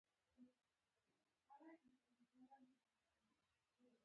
چي منزل مي قیامتي سو ته یې لنډ کي دا مزلونه